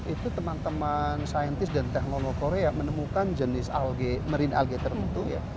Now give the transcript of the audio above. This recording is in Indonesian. itu teman teman saintis dan teknolog korea menemukan jenis alge marine alge tertentu ya